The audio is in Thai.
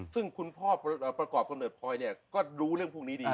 ซึ่งคุณพ่อประกอบกำเนิดพลอยเนี่ยก็รู้เรื่องพวกนี้ดี